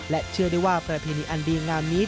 เชื่อได้ว่าประเพณีอันดีงามนี้